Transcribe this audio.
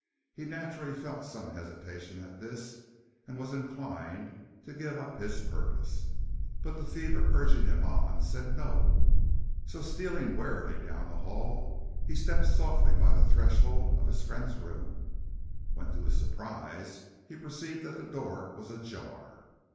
He naturally felt some hesitation at this and was inclined to give up his purpose. But the fever urging him on said no; so stealing warily down the hall he stepped softly by the threshold of his friend's room, when to his surprise he perceived that the door was ajar.